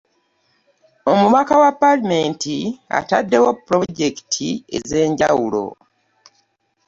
Omubaka wa Paalamenti attaddewo ppulojekiti ez'enjawulo.